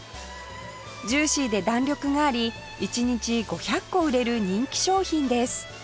ジューシーで弾力があり一日５００個売れる人気商品です